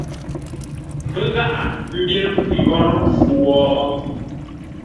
Pə́ gháʼa mbyér ngʉ̂ yórə́ mpfu wo ?